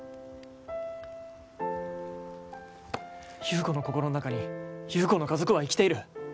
優子の心の中に優子の家族は生きている。